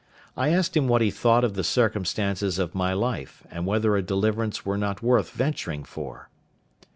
I asked him what he thought of the circumstances of my life, and whether a deliverance were not worth venturing for?